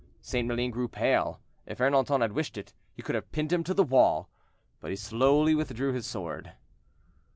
St. Maline grew pale; if Ernanton had wished it, he could have pinned him to the wall, but he slowly withdrew his sword.